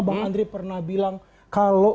bang andri pernah bilang kalau